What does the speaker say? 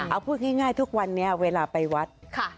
เอาพูดง่ายทุกวันนี้เวลาไปวัด